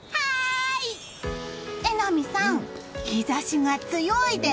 榎並さん、日差しが強いです。